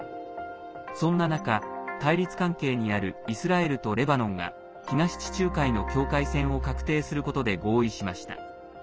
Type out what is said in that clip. そんな中、対立関係にあるイスラエルとレバノンが東地中海の境界線を画定することで合意しました。